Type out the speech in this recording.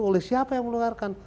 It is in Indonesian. oleh siapa yang meluarkan